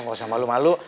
udah gak usah malu malu